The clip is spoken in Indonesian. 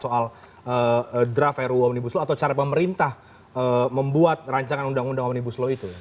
sepakat soal draft ru omnibus loh atau cara pemerintah membuat rancangan undang undang omnibus loh itu